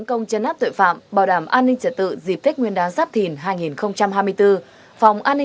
củng cố hồ sơ khởi tố đối tượng